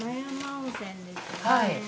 はい。